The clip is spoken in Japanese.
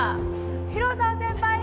広沢先輩や